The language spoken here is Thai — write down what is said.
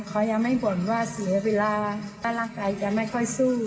เขายังไม่บ่นว่าเสียเวลาถ้าร่างกายจะไม่ค่อยสู้